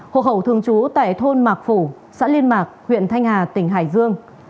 hộ khẩu thường trú tại thôn mạc phủ xã liên mạc huyện thanh hà tỉnh hải dương